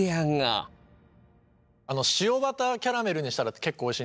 塩バターキャラメルにしたら結構おいしい。